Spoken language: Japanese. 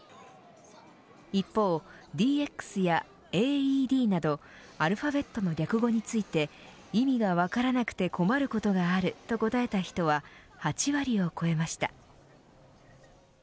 一方、ＤＸやＡＥＤなどアルファベットの略語について意味が分からなくて困ることがあると答えた人は８割を超えました。